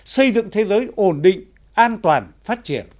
xây dựng thế giới ổn định an toàn phát triển